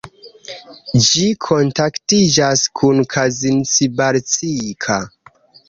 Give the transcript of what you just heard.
Ĝi kontaktiĝas kun Kazincbarcika.